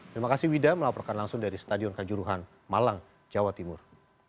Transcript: terima kasih wida melaporkan langsung dari stadion kanjuruhan malang jawa timur